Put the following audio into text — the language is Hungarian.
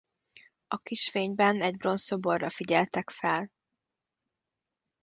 A kis fényben egy bronzszoborra figyeltek fel.